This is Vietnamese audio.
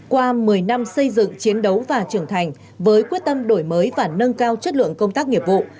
qua một mươi năm xây dựng chiến đấu và trưởng thành với quyết tâm đổi mới và nâng cao chất lượng công tác nghiệp vụ